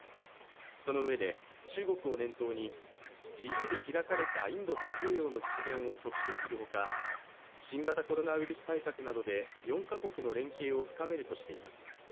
そのうえで中国を念頭に、自由で開かれたインド太平洋の実現を促進する他、新型コロナウイルス対策などで４カ国の連携を深めるとしています。